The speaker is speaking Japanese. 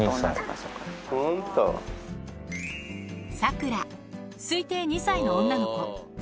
サクラ、推定２歳の女の子。